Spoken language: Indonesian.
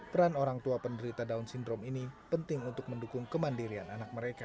peran orang tua penderita down syndrome ini penting untuk mendukung kemandirian anak mereka